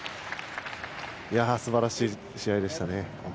すばらしい試合でしたね。